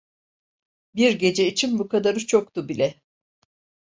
Bir gece için bu kadarı çoktu bile.